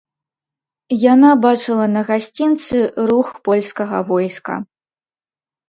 Яна бачыла на гасцінцы рух польскага войска.